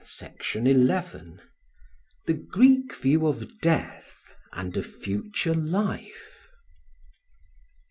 Section 11. The Greek View of Death and a Future Life.